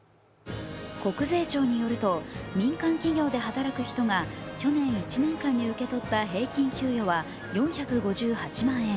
国税庁によると民間企業で働く人が去年１年間に受け取った平均給与は４５８万円。